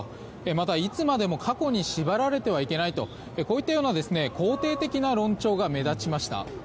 また、いつまでも過去に縛られてはいけないとこういったような肯定的な論調が目立ちました。